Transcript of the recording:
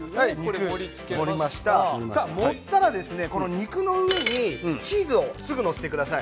肉の上にチーズをすぐに載せてください。